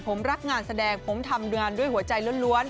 ผมรักงานแสดงผมทำงานด้วยหัวใจล้วน